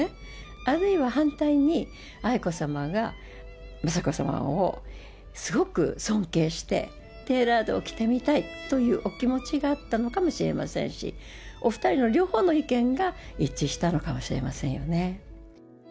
あるいは反対に、愛子さまが、雅子さまをすごく尊敬して、テーラードを着てみたいというお気持ちがあったのかもしれませんし、お２人の両方の意見が一致したのかもしれませんよね。